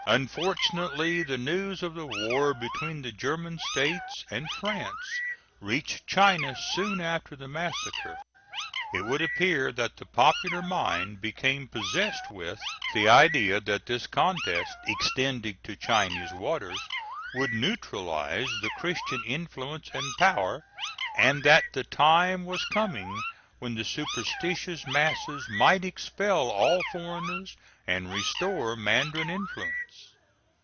Unfortunately, the news of the war between the German States and France reached China soon after the massacre. It would appear that the popular mind became possessed with the idea that this contest, extending to Chinese waters, would neutralize the Christian influence and power, and that the time was coming when the superstitious masses might expel all foreigners and restore mandarin influence.